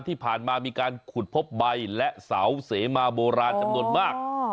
ที่ผ่านมามีการขุดพบใบและเสาเสมาโบราณจำนวนมาก